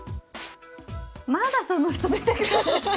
まだその人出てくるんですか？